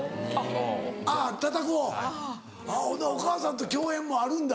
ほんならお母さんと共演もあるんだ。